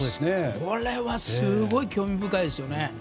これはすごい興味深いですね。